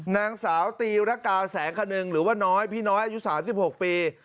นางสาวตีรกาแสงขนึงหรือว่าน้อยพี่น้อยอายุ๓๖ปี